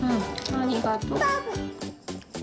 ありがとう。